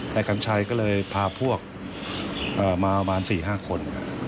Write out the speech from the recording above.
นายขันต์ชัยก็เลยพาพวกมาประมาณ๔๕คน